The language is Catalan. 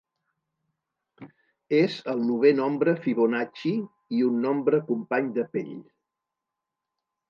És el novè nombre Fibonacci i un nombre company de Pell.